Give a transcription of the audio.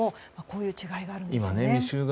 こういう違いがあるんです。